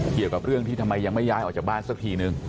เกี่ยวกับเรื่องที่ทำไมยังไม่ย้ายออกจากบ้านสักทีนึง